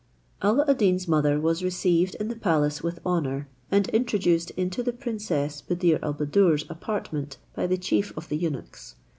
Alla ad Deen's mother was received in the palace with honour, and introduced into the princess Buddir al Buddoor's apartment by the chief of the eunuchs.